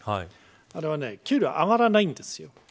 あれは給料上がらないんです。